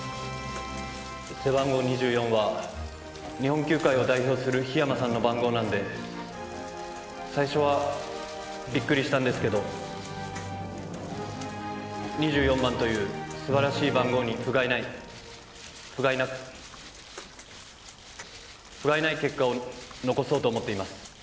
背番号２４は日本球界を代表する桧山さんの番号なんで最初はびっくりしたんですけど２４番というすばらしい番号にふがいないふがいなふがいない結果を残そうと思っています